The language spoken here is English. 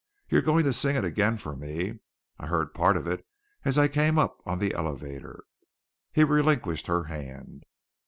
"You're going to sing it again for me. I heard part of it as I came up on the elevator." He relinquished her hand.